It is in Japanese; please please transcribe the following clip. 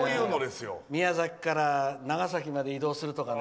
宮崎から長崎まで移動するとかね。